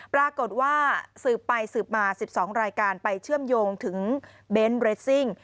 ปรากฏว่าสืบไปสืบมา๑๒รายการไปเชื่อมโยงถึงเบนท์เรสซิ่ง